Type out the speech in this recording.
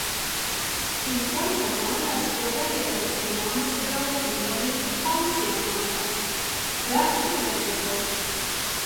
Pirms braucam mājās vēl jāiebrauc pie mammas brāļa – invalīda – pansionātā. Rakstu jāiebrauc.